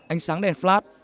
ánh sáng đèn flat